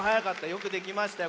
よくできましたよ。